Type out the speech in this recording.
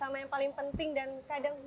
nama yang paling penting dan kadang